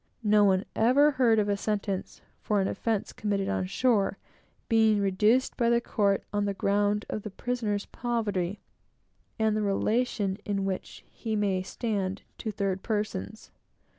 No one ever heard of a sentence, for an offence committed on shore, being reduced by the court on the ground of the prisoner's poverty, and the relation in which he may stand to third persons.